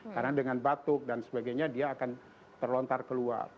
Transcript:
karena dengan batuk dan sebagainya dia akan terlontar keluar